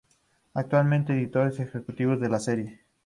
Actualmente editores ejecutivos de la serie.